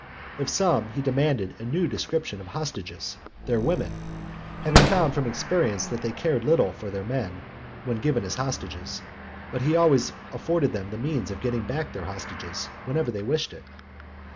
Of some he demanded a new description of hostages, their women, having found from experience that they cared little for their men when given as hostages; but he always afforded them the means of getting back their hostages whenever they wished it.